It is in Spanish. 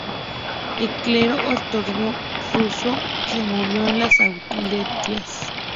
El clero ortodoxo ruso se movió en las Aleutianas.